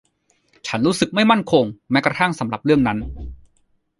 ฉันรู้สึกไม่มั่นคงแม้กระทั่งสำหรับเรื่องนั้น